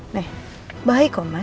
nih baik kok mas